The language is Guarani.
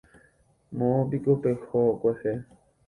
Moõpiko peho kuehe.